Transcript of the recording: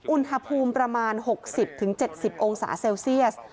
อุณหภูมิประมาณ๖๐๗๐องศาเซลเซียส